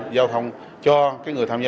giao thông cho người tham gia